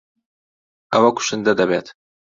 ئەوە کوشندە دەبێت.